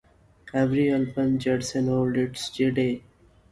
Every April, Judson hold its J-Day.